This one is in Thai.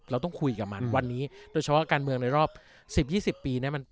เราต้องคุยกับมันวันนี้โดยเฉพาะการเมืองในรอบ๑๐๒๐ปีเนี่ย